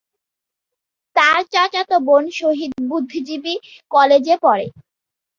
তার চাচাতো বোন শহীদ বুদ্ধিজীবী কলেজে পড়ে।